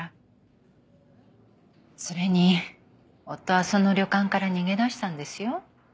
それに夫はその旅館から逃げ出したんですよ。